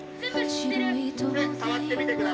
触ってみて下さい。